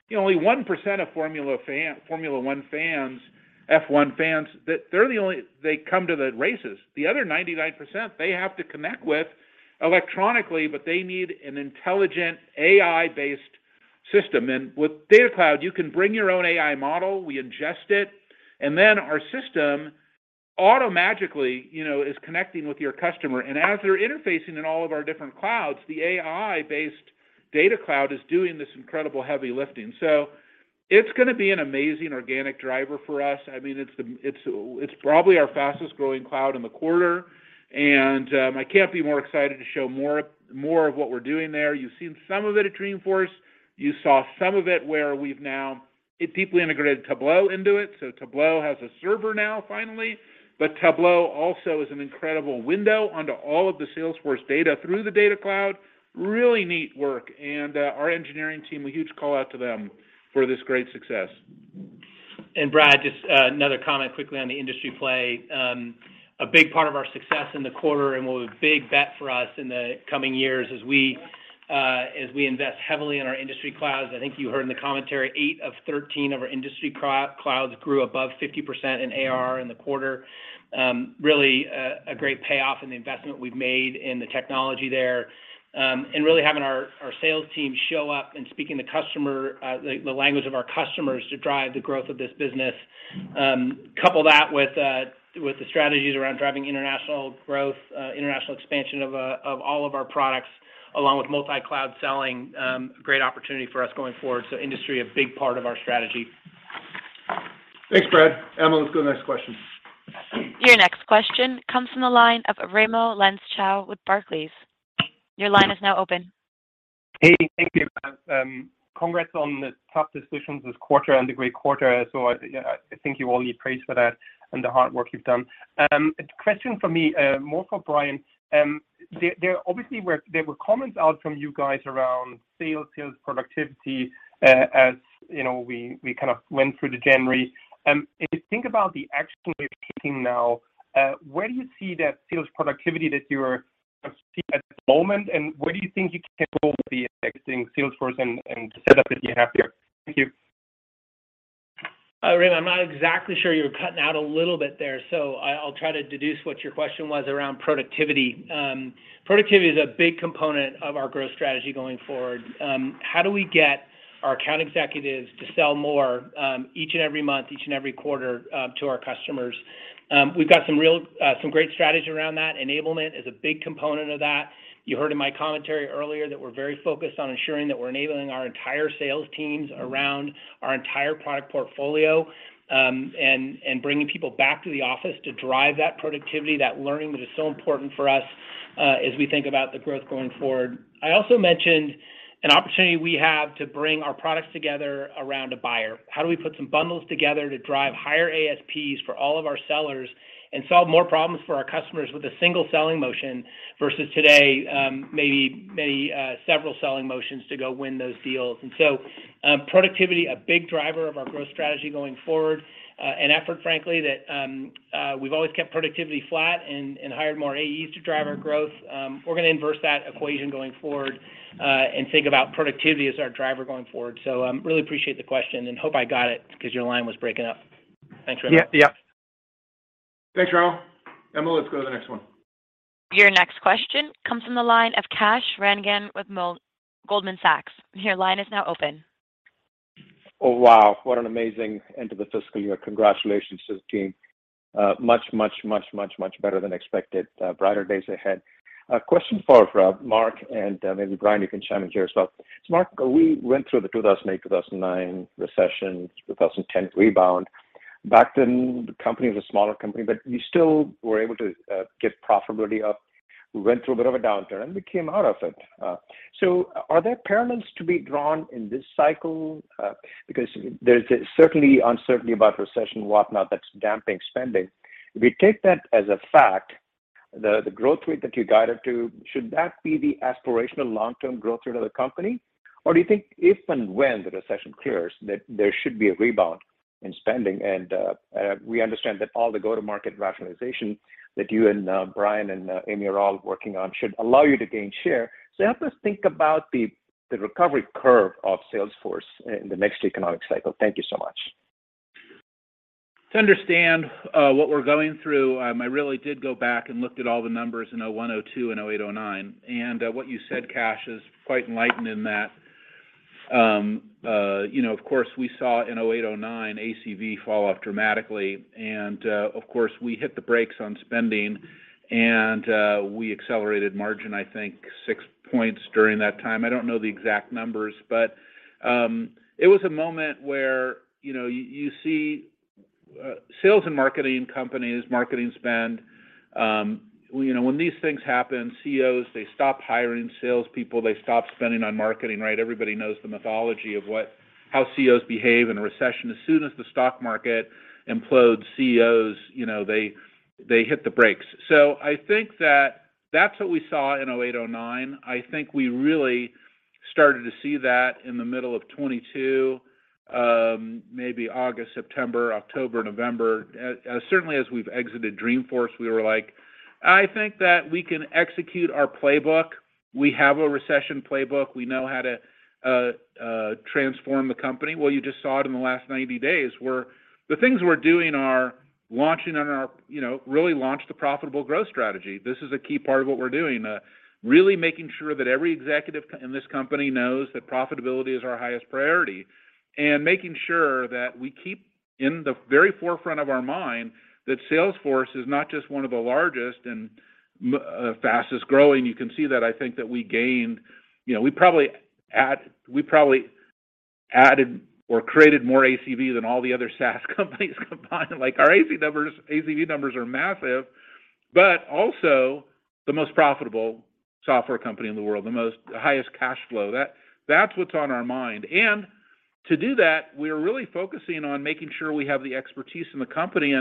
You know, only 1% of Formula 1 fans, F1 fans, that they come to the races. The other 99%, they have to connect with electronically, but they need an intelligent AI-based system. With Data Cloud, you can bring your own AI model, we ingest it, and then our system automatically, you know, is connecting with your customer. As they're interfacing in all of our different clouds, the AI-based Data Cloud is doing this incredible heavy lifting. It's gonna be an amazing organic driver for us. I mean, it's the, it's probably our fastest-growing cloud in the quarter. I can't be more excited to show more of what we're doing there. You've seen some of it at Dreamforce. You saw some of it where people integrated Tableau into it. Tableau has a server now, finally. Tableau also is an incredible window onto all of the Salesforce data through the Data Cloud. Really neat work. Our engineering team, a huge call out to them for this great success. Brad, just another comment quickly on the industry play. A big part of our success in the quarter and will be a big bet for us in the coming years as we invest heavily in our industry clouds. I think you heard in the commentary, eight of 13 of our industry clouds grew above 50% in AR in the quarter. Really a great payoff in the investment we've made in the technology there. And really having our sales team show up and speaking the language of our customers to drive the growth of this business. Couple that with the strategies around driving international growth, international expansion of all of our products, along with multi-cloud selling, great opportunity for us going forward. Industry, a big part of our strategy. Thanks, Brad. Emma, let's go to the next question. Your next question comes from the line of Raimo Lenschow with Barclays. Your line is now open. Hey, thank you. Congrats on the tough decisions this quarter and the great quarter. I think you all need praise for that and the hard work you've done. A question for me, more for Brian. There obviously were comments out from you guys around sales productivity, as you know, we kind of went through the January. If you think about the action you're taking now, where do you see that sales productivity that you're seeing at the moment, and where do you think you can go with the existing Salesforce and set up that you have there? Thank you. Raimo, I'm not exactly sure. You were cutting out a little bit there, so I'll try to deduce what your question was around productivity. Productivity is a big component of our growth strategy going forward. How do we get our account executives to sell more, each and every month, each and every quarter, to our customers? We've got some real, some great strategy around that. Enablement is a big component of that. You heard in my commentary earlier that we're very focused on ensuring that we're enabling our entire sales teams around our entire product portfolio, and bringing people back to the office to drive that productivity, that learning that is so important for us, as we think about the growth going forward. I also mentioned an opportunity we have to bring our products together around a buyer. How do we put some bundles together to drive higher ASPs for all of our sellers and solve more problems for our customers with a single selling motion versus today, maybe many, several selling motions to go win those deals? Productivity, a big driver of our growth strategy going forward. An effort, frankly, that we've always kept productivity flat and hired more AEs to drive our growth. We're gonna inverse that equation going forward and think about productivity as our driver going forward. Really appreciate the question and hope I got it because your line was breaking up. Thanks, Raimo. Yeah. Yep. Thanks, Raimo. Emma, let's go to the next one. Your next question comes from the line of Kash Rangan with Goldman Sachs. Your line is now open. Oh, wow. What an amazing end to the fiscal year. Congratulations to the team. much better than expected. Brighter days ahead. A question for Marc, and maybe Brian, you can chime in here as well. Marc, we went through the 2008, 2009 recession, 2010 rebound. Back then, the company was a smaller company, but you still were able to get profitability up. We went through a bit of a downturn, and we came out of it. Are there parallels to be drawn in this cycle? Because there's certainly uncertainty about recession, whatnot, that's damping spending. If we take that as a fact, the growth rate that you guided to, should that be the aspirational long-term growth rate of the company? Do you think if and when the recession clears that there should be a rebound in spending, and we understand that all the go-to-market rationalization that you and Brian and Amy are all working on should allow you to gain share. Help us think about the recovery curve of Salesforce in the next economic cycle. Thank you so much. To understand what we're going through, I really did go back and looked at all the numbers in 2001, 2002, and 2008, 2009. What you said, Kash, is quite enlightened in that. You know, of course, we saw in 2008, 2009 ACV fall off dramatically. Of course, we hit the brakes on spending, we accelerated margin, I think, 6 points during that time. I don't know the exact numbers. It was a moment where, you know, you see sales and marketing companies, marketing spend, you know, when these things happen, CEOs, they stop hiring salespeople, they stop spending on marketing, right? Everybody knows the mythology of how CEOs behave in a recession. As soon as the stock market implodes, CEOs, you know, they hit the brakes. I think that that's what we saw in 2008, 2009. I think we really started to see that in the middle of 2022, maybe August, September, October, November. Certainly as we've exited Dreamforce, we were like, "I think that we can execute our playbook. We have a recession playbook. We know how to transform the company." Well, you just saw it in the last 90 days, where the things we're doing are launching on our, you know, really launch the profitable growth strategy. This is a key part of what we're doing, really making sure that every executive in this company knows that profitability is our highest priority. Making sure that we keep in the very forefront of our mind that Salesforce is not just one of the largest and fastest-growing. You can see that, I think, that we gained, you know, we probably added or created more ACV than all the other SaaS companies combined. Like, our ACV numbers are massive, but also the most profitable software company in the world, the most highest cash flow. That's what's on our mind. To do that, we're really focusing on making sure we have the expertise in the company.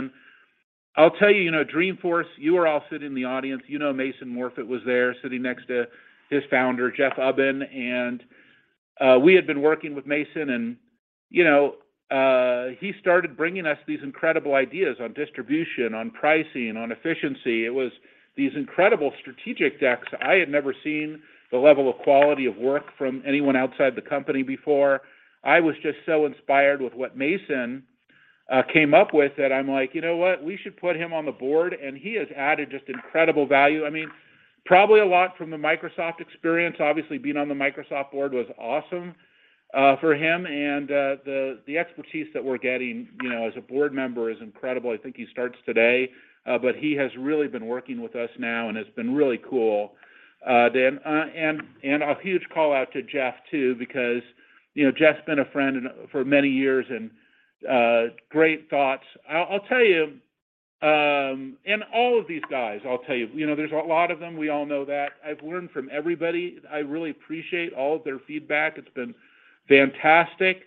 I'll tell you know, Dreamforce, you were all sitting in the audience. You know Mason Morfit was there sitting next to his founder, Jeff Ubben. We had been working with Mason and, you know, he started bringing us these incredible ideas on distribution, on pricing, on efficiency. It was these incredible strategic decks. I had never seen the level of quality of work from anyone outside the company before. I was just so inspired with what Mason came up with that I'm like, "You know what? We should put him on the board." He has added just incredible value. I mean, probably a lot from the Microsoft experience. Obviously, being on the Microsoft board was awesome for him. The expertise that we're getting, you know, as a board member is incredible. I think he starts today. He has really been working with us now and has been really cool. A huge call-out to Jeff too because, you know, Jeff's been a friend for many years and great thoughts. I'll tell you, all of these guys, I'll tell you. You know, there's a lot of them. We all know that. I've learned from everybody. I really appreciate all of their feedback. It's been fantastic.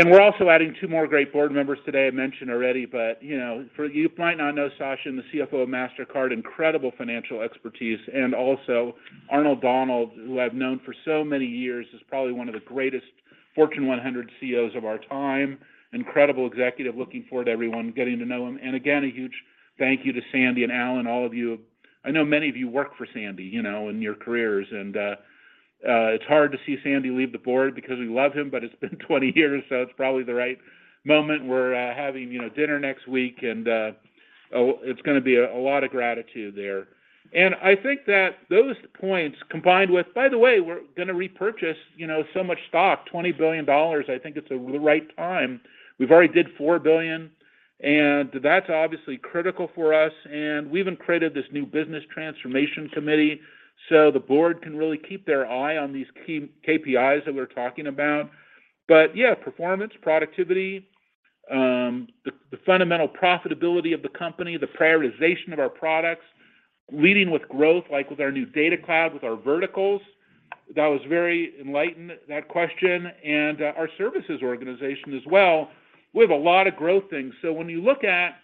We're also adding two more great board members today. I mentioned already, you know, you might not know Sachin, and the CFO of Mastercard, incredible financial expertise. Also Arnold Donald, who I've known for so many years, is probably one of the greatest Fortune 100 CEOs of our time. Incredible executive. Looking forward to everyone getting to know him. Again, a huge thank you to Sandy and Allen, all of you. I know many of you work for Sandy, you know, in your careers, it's hard to see Sandy leave the board because we love him, it's been 20 years, it's probably the right moment. We're having, you know, dinner next week, it's gonna be a lot of gratitude there. I think that those points combined with, by the way, we're gonna repurchase, you know, so much stock, $20 billion. I think it's the right time. We've already did $4 billion, and that's obviously critical for us. We even created this new business transformation committee so the board can really keep their eye on these key KPIs that we're talking about. Yeah, performance, productivity, the fundamental profitability of the company, the prioritization of our products, leading with growth, like with our new Data Cloud, with our verticals, that was very enlightened, that question, and our services organization as well. We have a lot of growth things. When you look at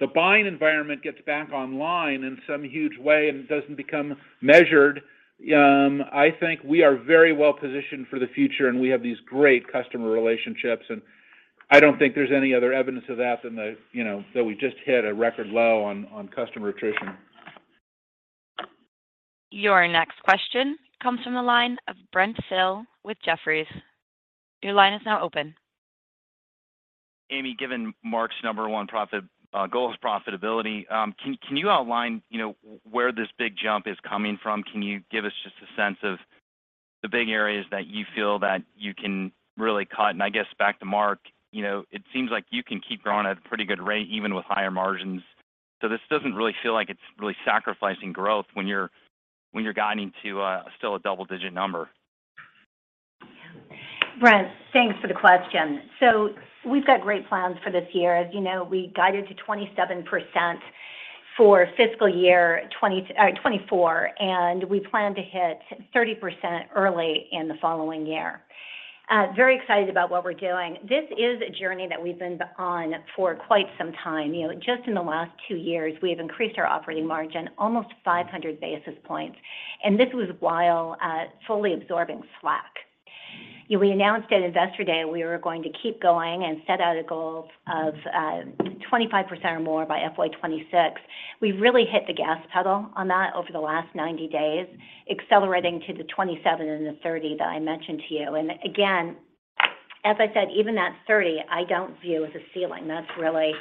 the buying environment gets back online in some huge way and doesn't become measured, I think we are very well positioned for the future, and we have these great customer relationships, and I don't think there's any other evidence of that than the, you know, that we just hit a record low on customer attrition. Your next question comes from the line of Brent Thill with Jefferies. Your line is now open. Amy, given Marc's number one profit goal is profitability, can you outline, you know, where this big jump is coming from? Can you give us just a sense of the big areas that you feel that you can really cut? I guess back to Marc, you know, it seems like you can keep growing at a pretty good rate even with higher margins. This doesn't really feel like it's really sacrificing growth when you're guiding to still a double-digit number. Brent, thanks for the question. We've got great plans for this year. As you know, we guided to 27% for fiscal year 2024, and we plan to hit 30% early in the following year. Very excited about what we're doing. This is a journey that we've been on for quite some time. You know, just in the last two years, we have increased our operating margin almost 500 basis points, and this was while fully absorbing Slack. Yeah, we announced at Investor Day we were going to keep going and set out a goal of 25% or more by FY 2026. We've really hit the gas pedal on that over the last 90 days, accelerating to the 27% and the 30% that I mentioned to you. Again, as I said, even that 30%, I don't view as a ceiling. That's really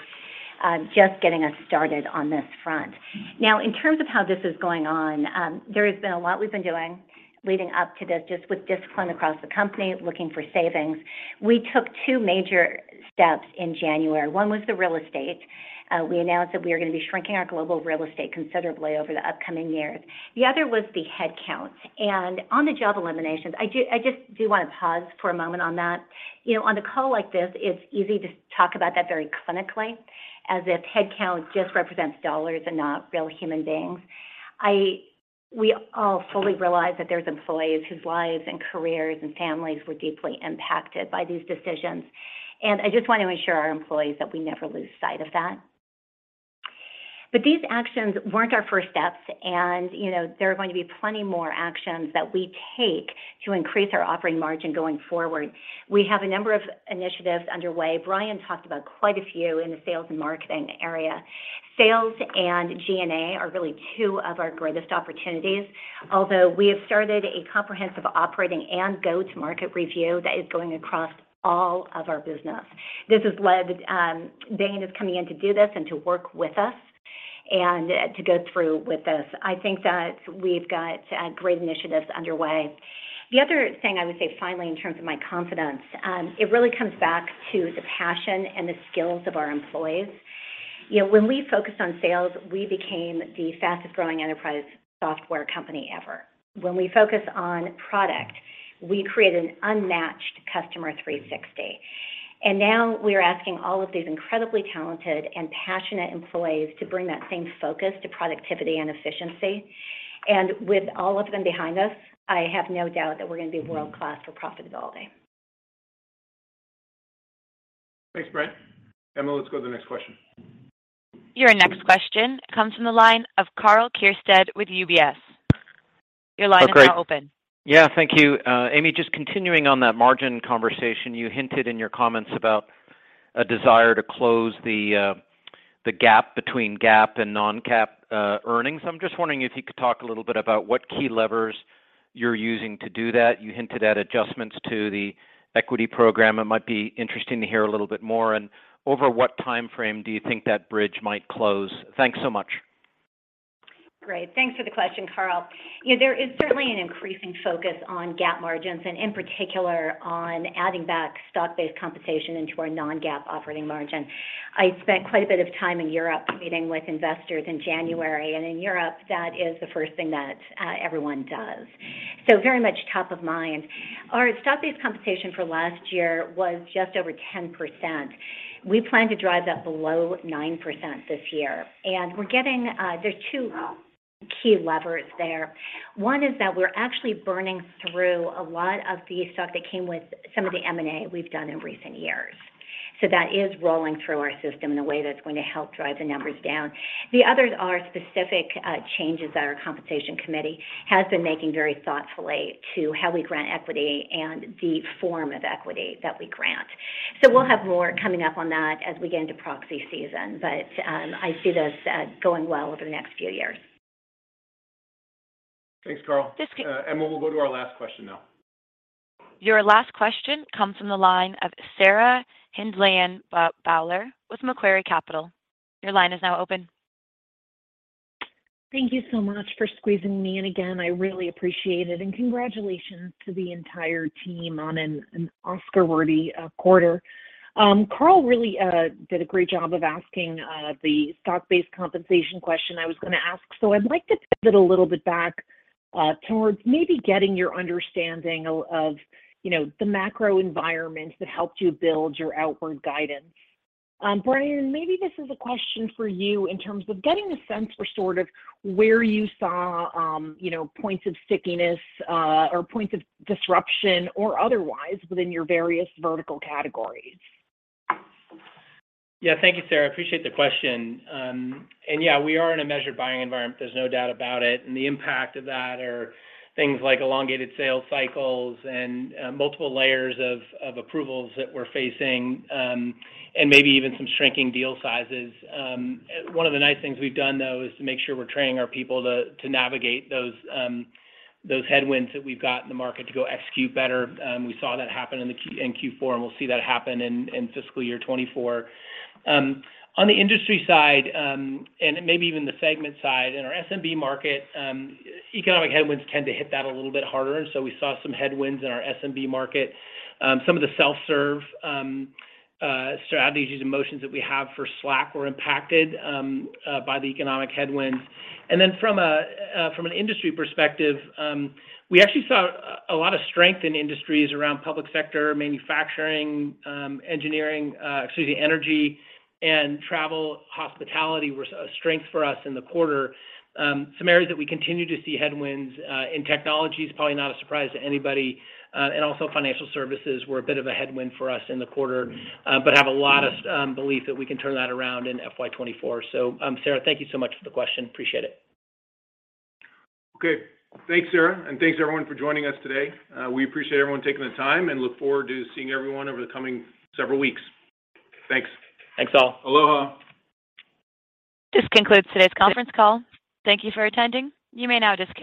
just getting us started on this front. In terms of how this is going on, there has been a lot we've been doing leading up to this just with discipline across the company, looking for savings. We took two major steps in January. One was the real estate. We announced that we are gonna be shrinking our global real estate considerably over the upcoming years. The other was the headcount. On the job eliminations, I just wanna pause for a moment on that. You know, on a call like this, it's easy to talk about that very clinically as if headcount just represents dollars and not real human beings. We all fully realize that there's employees whose lives and careers and families were deeply impacted by these decisions. I just want to assure our employees that we never lose sight of that. These actions weren't our first steps. You know, there are going to be plenty more actions that we take to increase our operating margin going forward. We have a number of initiatives underway. Brian talked about quite a few in the sales and marketing area. Sales and G&A are really two of our greatest opportunities, although we have started a comprehensive operating and go-to-market review that is going across all of our business. This has led, Bain is coming in to do this and to work with us and to go through with this. I think that we've got great initiatives underway. The other thing I would say finally in terms of my confidence, it really comes back to the passion and the skills of our employees. You know, when we focus on sales, we became the fastest-growing enterprise software company ever. When we focus on product, we create an unmatched Customer 360. Now we're asking all of these incredibly talented and passionate employees to bring that same focus to productivity and efficiency. With all of them behind us, I have no doubt that we're gonna be world-class for profitability. Thanks, Brent. Emma, let's go to the next question. Your next question comes from the line of Karl Keirstead with UBS. Your line is now open. Great. Yeah, thank you. Amy, just continuing on that margin conversation, you hinted in your comments about a desire to close the gap between GAAP and non-GAAP earnings. I'm just wondering if you could talk a little bit about what key levers you're using to do that. You hinted at adjustments to the equity program. It might be interesting to hear a little bit more. Over what timeframe do you think that bridge might close? Thanks so much. Great. Thanks for the question, Karl. You know, there is certainly an increasing focus on GAAP margins. In particular, on adding back stock-based compensation into our non-GAAP operating margin. I spent quite a bit of time in Europe meeting with investors in January. In Europe, that is the first thing that everyone does, very much top of mind. Our stock-based compensation for last year was just over 10%. We plan to drive that below 9% this year. There's two key levers there. One is that we're actually burning through a lot of the stock that came with some of the M&A we've done in recent years. That is rolling through our system in a way that's going to help drive the numbers down. The others are specific changes that our compensation committee has been making very thoughtfully to how we grant equity and the form of equity that we grant. We'll have more coming up on that as we get into proxy season. I see this going well over the next few years. Thanks, Karl. This Emma, we'll go to our last question now. Your last question comes from the line of Sarah Hindlian-Bowler with Macquarie Capital. Your line is now open. Thank you so much for squeezing me in again. I really appreciate it. Congratulations to the entire team on an Oscar-worthy quarter. Karl really did a great job of asking the stock-based compensation question I was gonna ask. I'd like to pivot a little bit back towards maybe getting your understanding of, you know, the macro environment that helped you build your outward guidance. Brian, maybe this is a question for you in terms of getting a sense for sort of where you saw, you know, points of stickiness or points of disruption or otherwise within your various vertical categories. Yeah. Thank you, Sarah. I appreciate the question. Yeah, we are in a measured buying environment. There's no doubt about it. The impact of that are things like elongated sales cycles and multiple layers of approvals that we're facing, maybe even some shrinking deal sizes. One of the nice things we've done, though, is to make sure we're training our people to navigate those headwinds that we've got in the market to go execute better. We saw that happen in Q4, and we'll see that happen in fiscal year 2024. On the industry side, maybe even the segment side, in our SMB market, economic headwinds tend to hit that a little bit harder, so we saw some headwinds in our SMB market. Some of the self-serve strategies and motions that we have for Slack were impacted by the economic headwinds. From an industry perspective, we actually saw a lot of strength in industries around public sector, manufacturing, engineering, excuse me, energy, and travel, hospitality were a strength for us in the quarter. Some areas that we continue to see headwinds in technology is probably not a surprise to anybody. And also financial services were a bit of a headwind for us in the quarter, but have a lot of belief that we can turn that around in FY 2024. Sarah, thank you so much for the question. Appreciate it. Okay. Thanks, Sarah, and thanks everyone for joining us today. We appreciate everyone taking the time and look forward to seeing everyone over the coming several weeks. Thanks. Thanks, all. Aloha. This concludes today's conference call. Thank you for attending. You may now disconnect.